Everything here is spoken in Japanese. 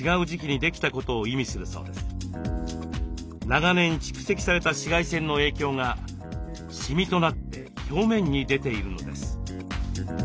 長年蓄積された紫外線の影響がシミとなって表面に出ているのです。